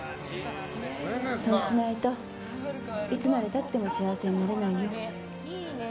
そうしないと、いつまで経っても幸せになれないよ。